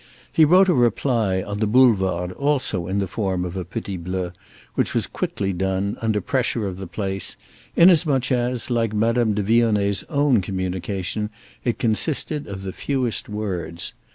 He wrote a reply, on the Boulevard, also in the form of a petit bleu—which was quickly done, under pressure of the place, inasmuch as, like Madame de Vionnet's own communication, it consisted of the fewest words.